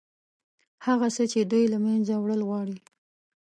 هغه څه چې دوی له منځه وړل غواړي.